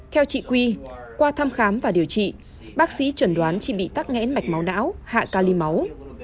theo chị quy qua thăm khám và điều trị bác sĩ chẩn đoán chị bị tắc nghẽn mạch máu não hạ ca ly máu